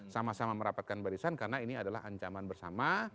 sama sama merapatkan barisan karena ini adalah ancaman bersama